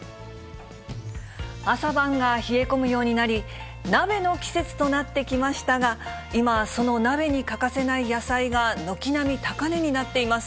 朝晩が冷え込むようになり、鍋の季節となってきましたが、今、その鍋に欠かせない野菜が軒並み高値になっています。